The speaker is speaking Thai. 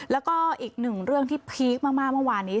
แล้วก็อีกหนึ่งเรื่องที่พีคมากเมื่อวานนี้